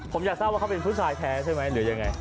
มันต้องรู้ค่ะว่าเขาเป็นผู้สาธารณ์แท้ใช่ไหมหรือยังไง